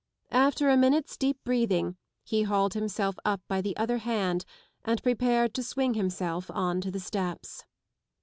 After a minute's deep breathing he hauled himself up by the other hand and prepared to swing himself on to the steps.